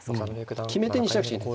決め手にしなくちゃいけない。